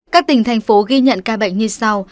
các tỉnh thành phố ghi nhận ca bệnh như sau